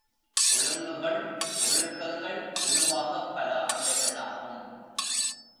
ஒழுங்குகள் ஒழுக்கங்கள் உருவாகப் பல ஆண்டுகள் ஆகும்.